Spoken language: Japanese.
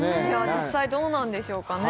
実際どうなんでしょうかね